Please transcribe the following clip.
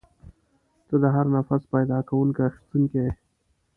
ته د هر نفس پیدا کوونکی او اخیستونکی یې.